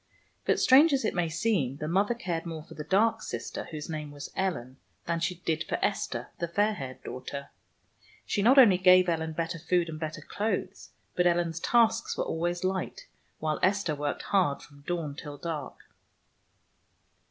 But, strange as it may seem, the mother cared more for the dark sister, whose name was Ellen, than she did for Esther, the fair haired daughter. She not only gave Ellen better food and better clothes, but Ellen's tasks were always light, while Esther worked hard from dawn till dark.